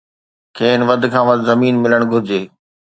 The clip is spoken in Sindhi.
کين وڌ کان وڌ زمين ملڻ گهرجي